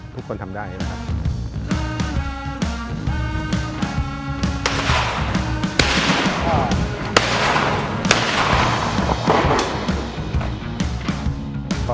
ทุกคนทำได้นะครับ